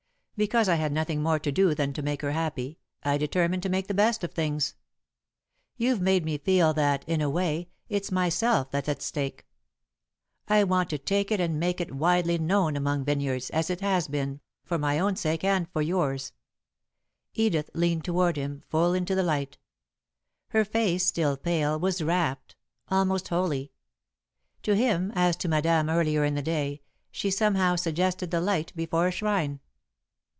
Because I had nothing more to do than to make her happy, I determined to make the best of things. You've made me feel that, in a way, it's myself that's at stake. I want to take it and make it widely known among vineyards, as it has been for my own sake, and for yours." [Sidenote: A Corner Turned] Edith leaned toward him, full into the light. Her face, still pale, was rapt almost holy. To him, as to Madame earlier in the day, she somehow suggested the light before a shrine.